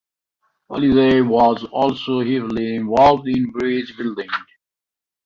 Hallidie was also heavily involved in bridge building.